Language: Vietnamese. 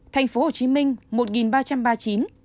thành phố hồ chí minh một ba trăm ba mươi chín